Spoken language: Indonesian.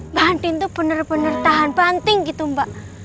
mbak andin tuh bener bener tahan panting gitu mbak